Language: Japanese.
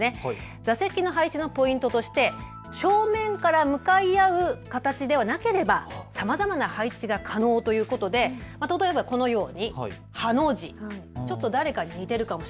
座席の配置のポイントとして正面から向かい合う形でなければさまざまな配置が可能ということで例えばこのようにハの字。